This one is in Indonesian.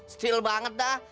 stil banget dah